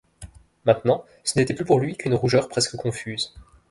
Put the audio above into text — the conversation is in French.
Maintenant ce n’était plus pour lui qu’une rougeur presque confuse.